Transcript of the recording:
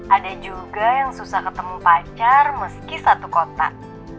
ada juga yang susah ketemu pacar meski satu kotak